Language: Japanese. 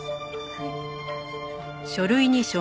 はい。